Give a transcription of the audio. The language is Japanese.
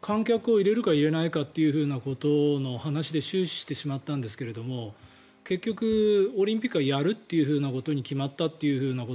観客を入れるか入れないかということの話で終始してしまったんですが結局、オリンピックはやるということに決まったということ